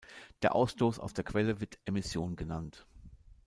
Der Ausstoß aus der Quelle wird Emission genannt.